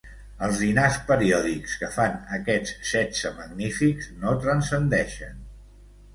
Els dinars periòdics que fan aquests setze magnífics no transcendeixen.